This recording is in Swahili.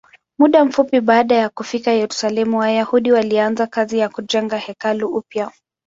Muda mfupi baada ya kufika Yerusalemu, Wayahudi walianza kazi ya kujenga hekalu upya.